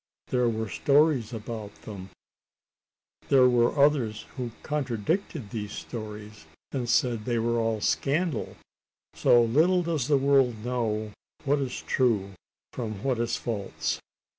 There were stories about them; but there were others who contradicted these stories, and said they were all scandal so little does the world know what is true from what is false.